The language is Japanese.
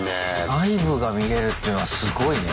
内部が見れるっていうのはすごいね。